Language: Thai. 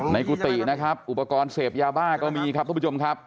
กุฏินะครับอุปกรณ์เสพยาบ้าก็มีครับทุกผู้ชมครับ